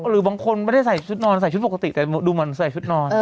หรือบางคนไม่ได้ใส่ชุดนอนใส่ชุดปกติแต่ดูเหมือนใส่ชุดนอน